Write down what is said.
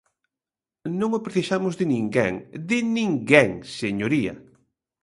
Non o precisamos de ninguén, ¡de ninguén, señoría!